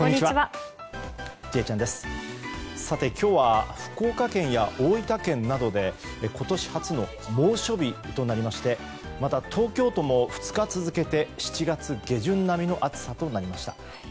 今日は福岡県や大分県などで今年初の猛暑日となりましてまた東京都も２日続けて７月下旬並みの暑さとなりました。